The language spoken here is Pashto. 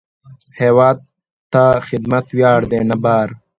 هیواد ته خدمت ویاړ دی، نه بار